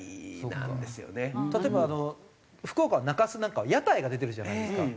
例えば福岡の中洲なんかは屋台が出てるじゃないですか。